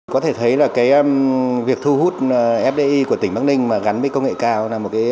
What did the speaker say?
có thể thấy là việc thu hút fdi của tỉnh bắc ninh gắn với công nghệ cao